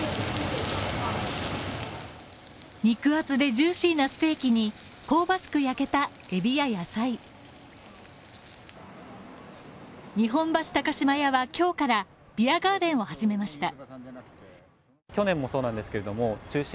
肉厚でジューシーなステーキに香ばしく焼けたエビや野菜日本橋高島屋は今日からビアガーデンを始めました。